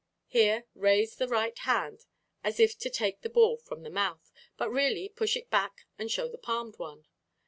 Here raise the right hand as if to take the ball from the mouth, but really push it back and show the palmed one.